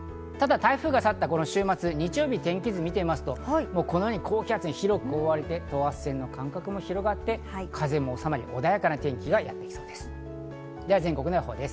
台風が去った週末日曜日、天気図を見てみますと、このように高気圧に広く覆われて、等圧線の間隔も広がって風も収まり、穏やかな天気がやってきそうです。